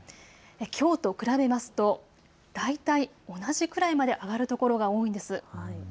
きょうと比べますと大体同じくらいまで上がる所が多いんです。